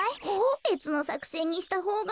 べつのさくせんにしたほうが。